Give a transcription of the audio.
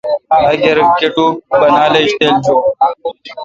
اگر کٹو بانال ایج تِل جون۔